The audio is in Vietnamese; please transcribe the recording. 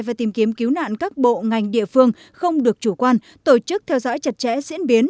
và tìm kiếm cứu nạn các bộ ngành địa phương không được chủ quan tổ chức theo dõi chặt chẽ diễn biến